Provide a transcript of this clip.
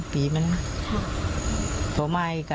โตไม้กระเบียยวอ่ะ